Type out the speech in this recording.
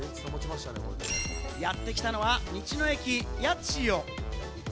やってきたのは道の駅やちよ。